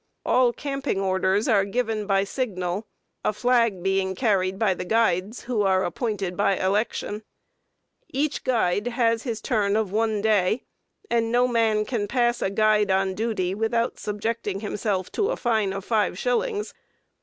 All camping orders are given by signal, a flag being carried by the guides, who are appointed by election. Each guide has his tarn of one day, and no man can pass a guide on duty without subjecting himself to a fine of 5 shillings.